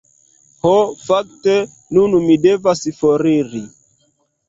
"Ho fakte, nun mi devas foriri."